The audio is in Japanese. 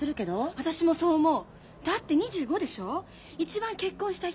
私もそう思う。